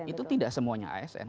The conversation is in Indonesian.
itu tidak semuanya asn